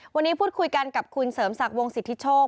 วันนี้พูดคุยกันกับคุณเสริมศักดิ์วงสิทธิโชค